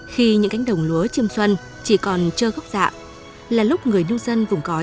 khi những cánh đồng lúa chiêm xuân chỉ còn trơ góc dạng là lúc người nưu dân vùng cói